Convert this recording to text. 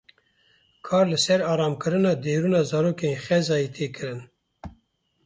Kar li ser aramkirina derûna zarokên Xezeyê tê kirin.